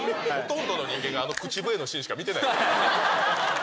ほとんどの人間があの口笛のシーンしか見てない。